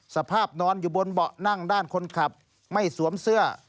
สภาพนอนอยู่บนเบาะนั่งด้านคนขับไม่สวมเสื้อ